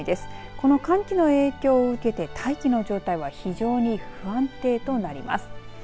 この寒気の影響を受けて大気の状態は非常に不安定となります。